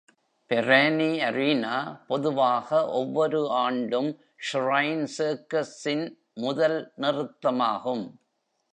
Perani Arena பொதுவாக ஒவ்வொரு ஆண்டும் Shrine Circus-ன் முதல் நிறுத்தமாகும்.